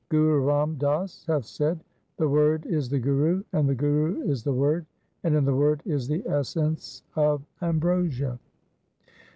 Guru Ram Das hath said :— The Word is the Guru, and the Guru is the Word, and in the Word is the essence of ambrosia.